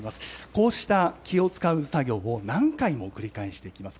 こうした気を遣う作業を、何回も繰り返していきます。